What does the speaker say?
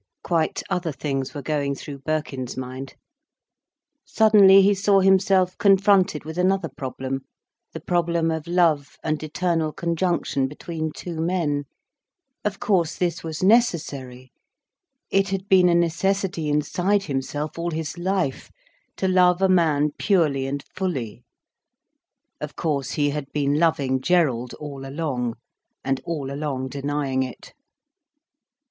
Quite other things were going through Birkin's mind. Suddenly he saw himself confronted with another problem—the problem of love and eternal conjunction between two men. Of course this was necessary—it had been a necessity inside himself all his life—to love a man purely and fully. Of course he had been loving Gerald all along, and all along denying it.